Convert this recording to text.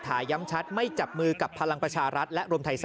บอกว่าจะทนโน้นทำนี่ไม่ทำทำไม่ได้